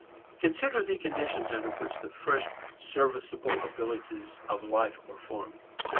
Consider the conditions under which the first serviceable abilities of life are formed.